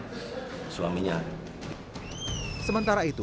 sementara itu setelah penyelidikan masjid al munawarro menempatkan masjid al munawarro